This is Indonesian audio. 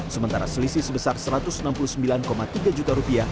sementara selisih sebesar rp satu ratus enam puluh sembilan tiga juta